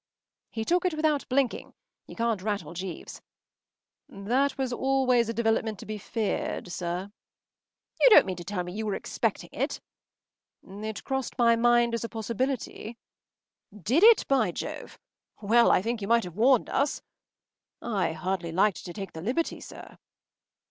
” He took it without blinking. You can’t rattle Jeeves. “That was always a development to be feared, sir.” “You don’t mean to tell me that you were expecting it?” “It crossed my mind as a possibility.” “Did it, by Jove! Well, I think, you might have warned us!” “I hardly liked to take the liberty, sir.